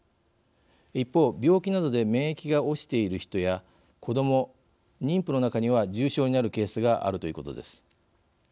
一方、病気などで免疫が落ちている人や子ども妊婦の中には重症になるケースがあるということです。